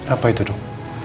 apa itu dok